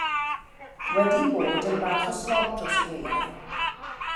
Wedi bod yn bach o slob dros y gaeaf.